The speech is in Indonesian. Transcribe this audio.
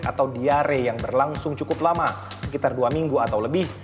atau diare yang berlangsung cukup lama sekitar dua minggu atau lebih